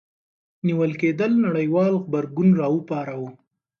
نیول کېدل نړیوال غبرګون راوپاروه.